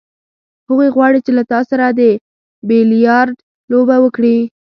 هغه غواړي چې له تا سره د بیلیارډ لوبه وکړي.